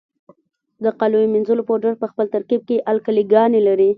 د کالیو منیځلو پوډر په خپل ترکیب کې القلي ګانې لري.